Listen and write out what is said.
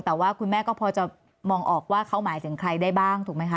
แต่ว่าคุณแม่ก็พอจะมองออกว่าเขาหมายถึงใครได้บ้างถูกไหมคะ